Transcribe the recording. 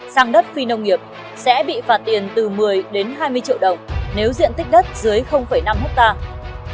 sang đất phi nông nghiệp sẽ bị phạt tiền từ một mươi đến hai mươi triệu đồng nếu diện tích đất dưới năm hectare